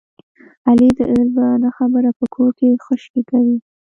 علي تل په نه خبره په کور کې خشکې کوي.